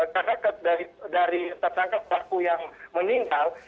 karena dari tersangka pelaku yang meninggal